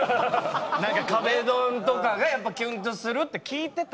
何か壁ドンとかがやっぱキュンとするって聞いてたんで。